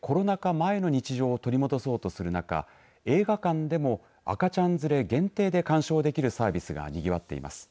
前の日常を取り戻そうとする中映画館でも赤ちゃん連れ限定で鑑賞できるサービスがにぎわっています。